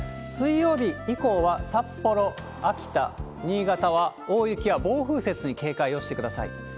水曜日以降は札幌、秋田、新潟は大雪や暴風雪に警戒をしてください。